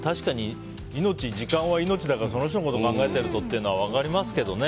時間は命だからその人のことを考えてるとっていうのは分かりますけどね。